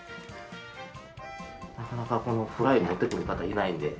なかなかこのフライ持ってくる方いないんで。